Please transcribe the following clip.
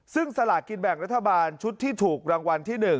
ซึ่งสลากกินแบ่งรัฐบาลชุดที่ถูกรางวัลที่๑